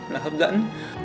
nó hấp dẫn